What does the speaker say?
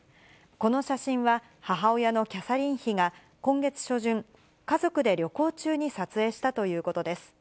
この写真は、母親のキャサリン妃が今月初旬、家族で旅行中に撮影したということです。